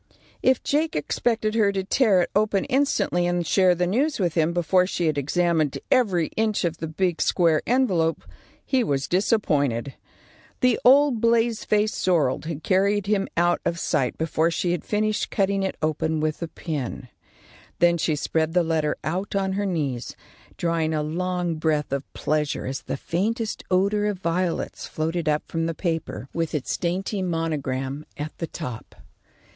If Jake expected her to tear it open instantly and share the news with him before she had examined every inch of the big square envelope, he was disappointed. The old blaze faced sorrel had carried him out of sight before she had finished cutting it open with a pin. Then she spread the letter out on her knees, drawing a long breath of pleasure as the faintest odour of violets floated up from the paper with its dainty monogram at the top.